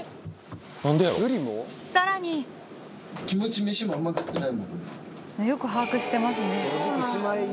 さらによく把握してますね。